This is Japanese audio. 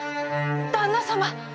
旦那様！